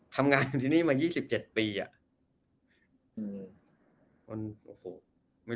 ทำงานอยู่ที่นี่มา๒๗ปีอ่ะ